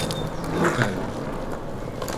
¿Con cal?